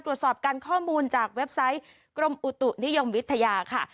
ตรวจสอบการข้อมูลจากเว็บไซต์กรมอุตุนิยมวิทยาค่ะ